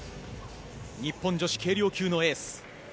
日本女子軽量級のエース。